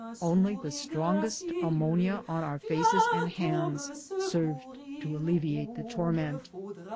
Only the strongest ammonia on our faces and hands served to alleviate the torment.